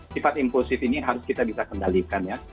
sifat impulsif ini harus kita bisa kendalikan ya